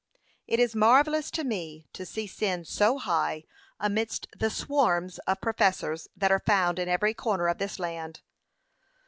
p. 508. 'It is marvellous to me to see sin so high amidst the swarms of professors that are found in every corner of this land.'